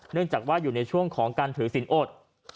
เนื่องจากว่าอยู่ในช่วงของการถือสินอด